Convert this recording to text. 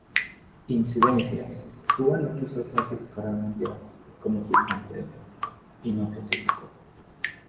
Incidencias: Cuba no quiso clasificar al mundial como subcampeón y no clasifico.